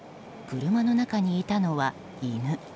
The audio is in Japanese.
車の中にいたのは、犬。